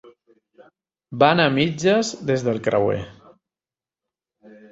Van a mitges des del creuer.